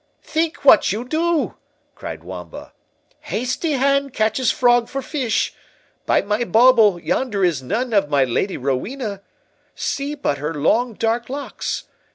"Think what you do!" cried Wamba; "hasty hand catches frog for fish—by my bauble, yonder is none of my Lady Rowena—see but her long dark locks!